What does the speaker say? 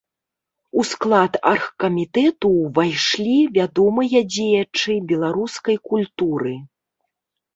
У склад аргкамітэту ўвайшлі вядомыя дзеячы беларускай культуры.